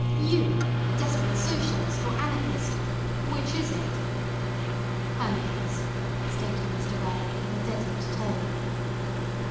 You—a desperate socialist or anarchist—which is it?" "Anarchist," stated Mr Verloc in a deadened tone.